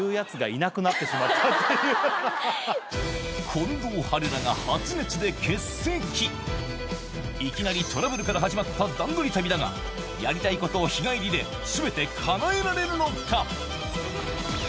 近藤春菜がいきなりトラブルから始まった段取り旅だがやりたいことを日帰りで全て叶えられるのか？